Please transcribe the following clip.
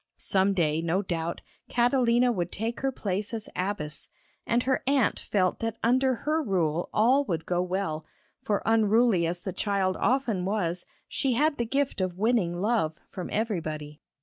Some day, no doubt, Catalina would take her place as abbess, and her aunt felt that under her rule all would go well, for unruly as the child often was, she had the gift of winning love from everybody.